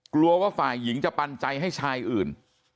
กลัวว่าฝ่ายหญิงจะปันใจให้ชายอื่น